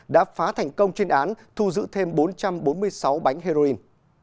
đã phá thành công chuyên án thu giữ thêm bốn trăm bốn mươi sáu bánh heroin